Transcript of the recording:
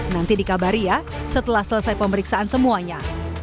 nanti dikabari ya setelah selesai pemeriksaan semuanya